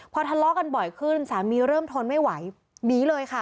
พอทะเลาะกันบ่อยขึ้นสามีเริ่มทนไม่ไหวหนีเลยค่ะ